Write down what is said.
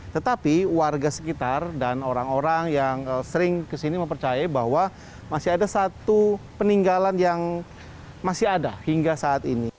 tetapi warga sekitar dan orang orang yang sering kesini mempercaya bahwa masih ada satu peninggalan yang masih ada hingga saat ini